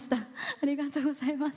ありがとうございます。